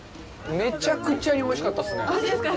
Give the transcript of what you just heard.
めちゃくちゃにおいしかったですね。